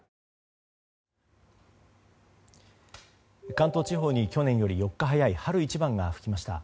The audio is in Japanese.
関東地方に去年より４日早い春一番が吹きました。